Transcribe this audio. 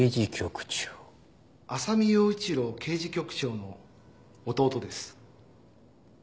浅見陽一郎刑事局長の弟です。